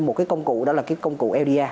một cái công cụ đó là cái công cụ ld